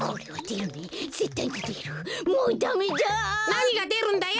なにがでるんだよ！